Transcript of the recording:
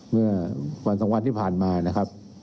เมื่อวันสองวันที่ผ่านมานะครับ